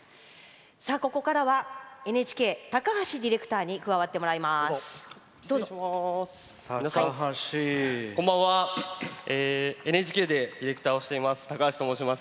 ここからはＮＨＫ高橋ディレクターに加わってもらいます。